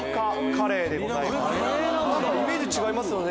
イメージ違いますよね